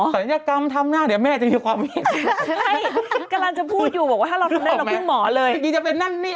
สัญญากรรมทำหน้าเดี๋ยวแม่จะมีความเห็น